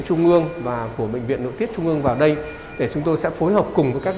trung ương và của bệnh viện nội tiết trung ương vào đây để chúng tôi sẽ phối hợp cùng với các